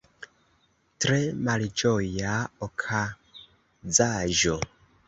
Tre malĝoja okazaĵo.